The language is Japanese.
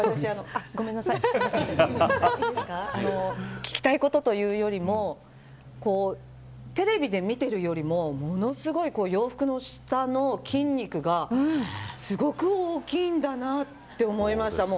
聞きたいことというよりもテレビで見ているよりもものすごく、洋服の下の筋肉がすごく大きいんだなと思いました。